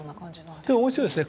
でも面白いですね。